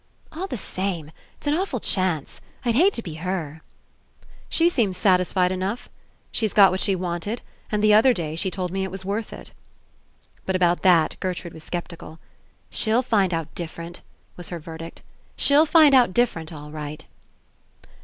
"All the same, it's an awful chance. I'd hate to be her." "She seems satisfied enough. She's got 77 PASSING what she wanted, and the other day she told me It was worth It.'' But about that Gertrude was sceptical. "She'll find out different," was her verdict. "She'll find out different all right."